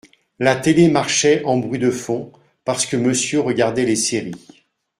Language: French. La télé marchait en bruit de fond, parce que monsieur regardait les séries